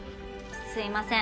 すみません。